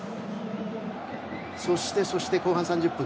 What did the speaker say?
そしてそして、後半３０分。